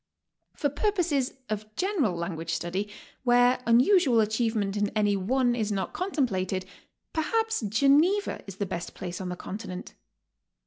For purposes of general language study, wdiere unusual achievement in any one is not contemplated, perhaps Geneva 164 GOING ABROAD? is the best place on the Continent.